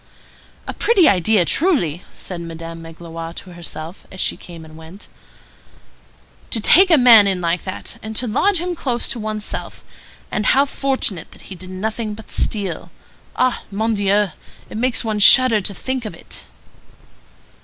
"A pretty idea, truly," said Madame Magloire to herself, as she went and came, "to take in a man like that! and to lodge him close to one's self! And how fortunate that he did nothing but steal! Ah, mon Dieu! it makes one shudder to think of it!"